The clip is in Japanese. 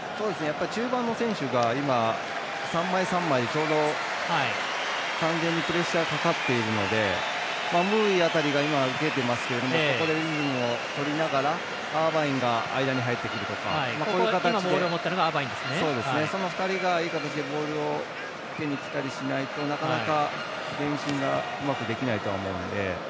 中盤の選手が今、３枚３枚、ちょうど完全にプレッシャーかかっているのでムーイ辺りが出てますけどとりながらアーバインが間に入ってくるとかという形で、その２人がいい形でボールを手にしたりしないとなかなか前進がうまくできないと思うので。